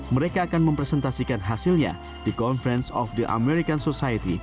mereka akan mempresentasikan hasilnya di conference of the american society